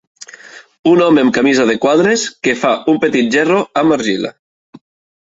Un home amb camisa de quadres, que fa un petit gerro amb argila.